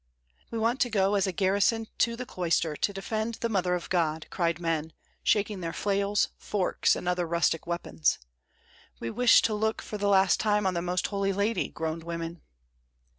"We want to go as a garrison to the cloister to defend the Mother of God," cried men, shaking their flails, forks, and other rustic weapons. "We wish to look for the last time on the Most Holy Lady," groaned women.